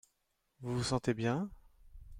Vous vous sentez bien ?